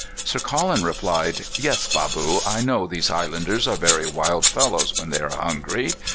"Sir Colin replied: 'Yes, bâboo, I know these Highlanders are very wild fellows when they are hungry.